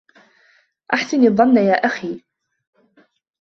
احسن الظن يا أخي